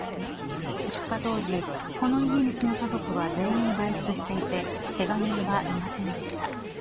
出火当時、この家に住む家族は全員外出していてけが人はいませんでした。